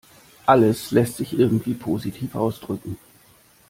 Alles lässt sich irgendwie positiv ausdrücken.